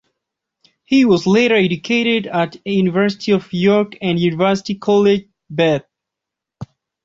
He was later educated at the University of York and University College, Bath.